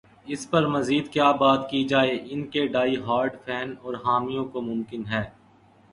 اس پر مزید کیا بات کی جائے ان کے ڈائی ہارڈ فین اور حامیوں کو ممکن ہے۔